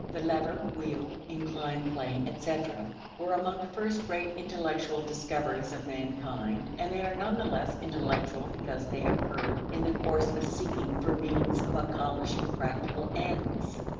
The lever, wheel, inclined plane, etc., were among the first great intellectual discoveries of mankind, and they are none the less intellectual because they occurred in the course of seeking for means of accomplishing practical ends.